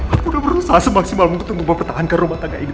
aku udah berusaha semaksimal mungkin untuk mempertahankan rumah tangga ini